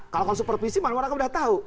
kalau supervisi mana orang yang udah tahu